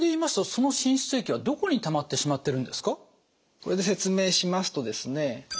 これで説明しますとですね